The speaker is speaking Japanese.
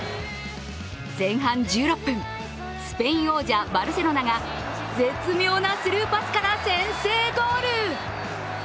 前半１６分、スペイン王者・バルセロナが絶妙なスルーパスから先制ゴール。